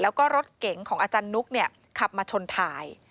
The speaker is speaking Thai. แล้วก็รถเก๋งของอาจารย์นุ๊กขับมาชนท้าย